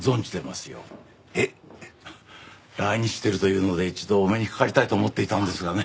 えっ？来日してるというので一度お目にかかりたいと思っていたんですがね